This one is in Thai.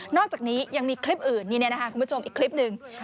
อกจากนี้ยังมีคลิปอื่นคุณผู้ชมอีกคลิปหนึ่ง